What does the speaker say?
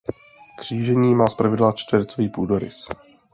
Křížení má zpravidla čtvercový půdorys.